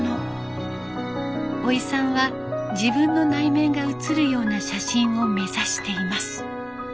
オイさんは自分の内面が写るような写真を目指しています。